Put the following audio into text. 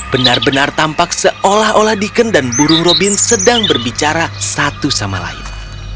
benar benar tampak seolah olah deacon dan burung robin sedang berbicara satu sama lain